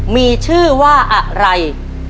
มีชื่อว่าอะไร